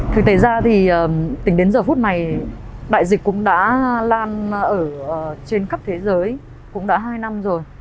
thực tế ra thì tính đến giờ phút này đại dịch cũng đã lan ở trên khắp thế giới cũng đã hai năm rồi